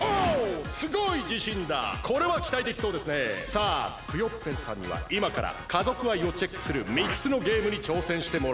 さあクヨッペンさんにはいまから家族愛をチェックする３つのゲームにちょうせんしてもらいます。